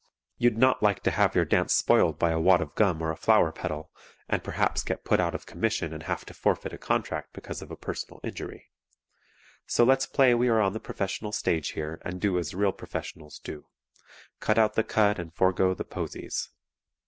You'd not like to have your dance spoiled by a wad of gum or a flower petal, and perhaps get put out of commission and have to forfeit a contract because of a personal injury. So let's play we are on the professional stage here and do as real professionals do cut out the cud and forego the posies.